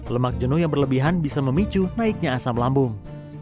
lemak jenuh yang berlebihan bisa memicu naiknya asam lambung